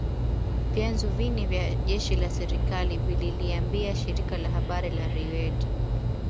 vyanzo vine vya jeshi la serikali vililiambia shirika la habari la Reuter